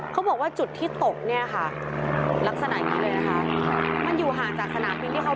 เขาบอกว่าจุดที่ตกเนี่ยค่ะลักษณะนี้เลยนะคะ